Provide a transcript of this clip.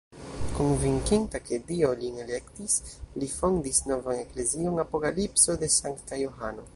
Konvinkita, ke Dio lin elektis, li fondis novan eklezion Apokalipso de sankta Johano.